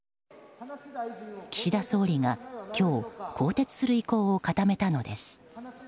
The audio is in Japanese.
岸田総理が今日更迭する意向を固めたのです。